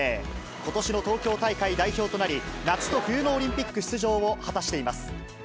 ことしの東京大会代表となり、夏と冬のオリンピック出場を果たしています。